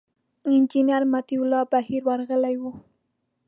انجینر مطیع الله بهیر ورغلي و.